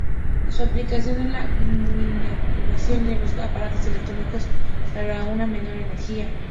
Su aplicación es la miniaturización de los aparatos electrónicos para una menor energía.